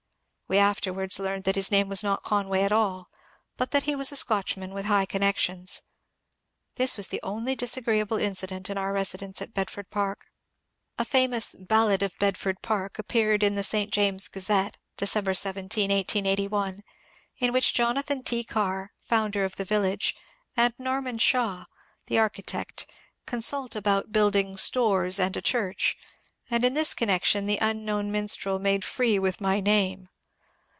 We afterwards learned that his name was not Conway at all, but that he was a Scotchman with high connections. This was the only disagreeable incident in our residence at Bed ford Park.^ A famous ^' Ballad of Bedford Park " appeared in the ^' St James's Gazette " (December 17, 1881), in which Jonathan T. Carr, founder of the village, and Norman Shaw, the archi tect, considt about building stores " and a church, and in this connection the unknown minstrel made free with my name.